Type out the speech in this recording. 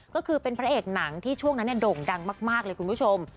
ก็คือเป็นพระเอกหนังที่ช่วงนั้นโด่งดังมากเลยคุณผู้ชม